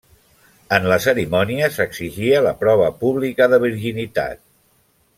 En la cerimònia, s'exigia la prova pública de virginitat.